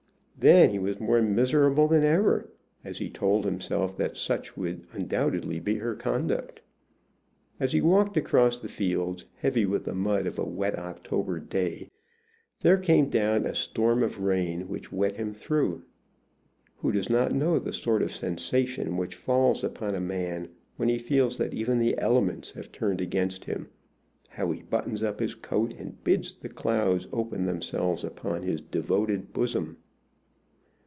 Then he was more miserable than ever, as he told himself that such would undoubtedly be her conduct. As he walked across the fields, heavy with the mud of a wet October day, there came down a storm of rain which wet him through. Who does not know the sort of sensation which falls upon a man when he feels that even the elements have turned against him, how he buttons up his coat and bids the clouds open themselves upon his devoted bosom?